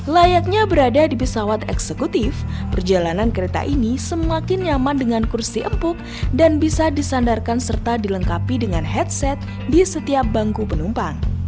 layaknya berada di pesawat eksekutif perjalanan kereta ini semakin nyaman dengan kursi empuk dan bisa disandarkan serta dilengkapi dengan headset di setiap bangku penumpang